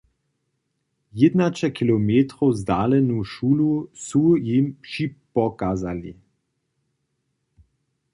Jědnaće kilometrow zdalenu šulu su jim připokazali.